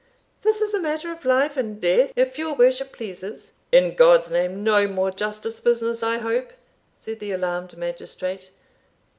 "This is a matter of life and death, if your worship pleases." "In God's name! no more justice business, I hope," said the alarmed magistrate.